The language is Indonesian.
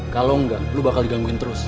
kalau nggak lo bakal digangguin terus